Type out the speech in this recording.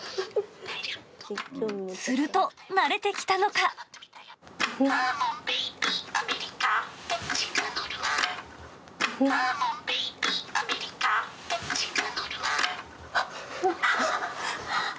すると、慣れてきたのか。